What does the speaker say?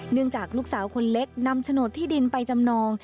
เนื่องจากลูกสาวคนเล็กนำฉนดที่ดินไปจำนอง